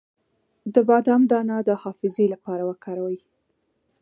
د بادام دانه د حافظې لپاره وکاروئ